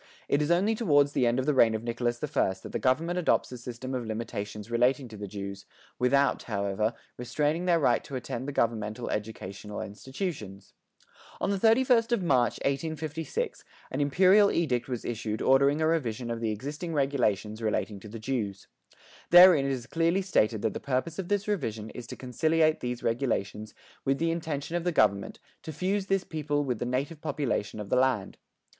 It is only toward the end of the reign of Nicholas I that the government adopts a system of limitations relating to the Jews, without, however, restraining their right to attend the governmental educational institutions. On the 31st of March, 1856, an imperial edict was issued ordering a revision of the existing regulations relating to the Jews. Therein it is clearly stated that the purpose of this revision is to conciliate these regulations with the intention of the government to fuse this people with the native population of the land.